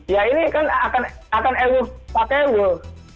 ya ini kan akan eluh pakai eluh